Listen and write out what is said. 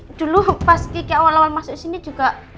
dulu pas kiki awal awal masuk sini juga